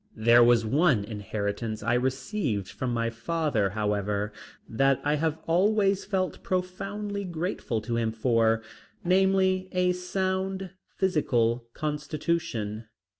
There was one inheritance I received from my father, however, that I have always felt profoundly grateful to him for, namely, a sound physical constitution.